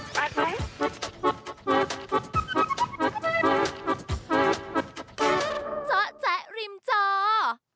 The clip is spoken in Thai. เจาะแจ๊ะริมจอ